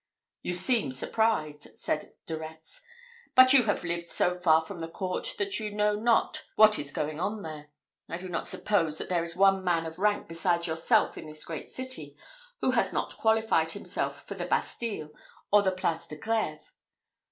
"You seem surprised," said De Retz; "but you have lived so far from the court that you know not what is going on there. I do not suppose that there is one man of rank besides yourself in this great city, who has not qualified himself for the Bastile, or the Place de Grève.